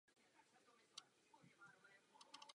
Zdroj vody je převážně ledovcový a sněhový.